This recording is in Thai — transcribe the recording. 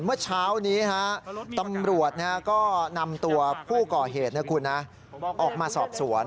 เมื่อเช้านี้ตำรวจก็นำตัวผู้ก่อเหตุออกมาสอบสวน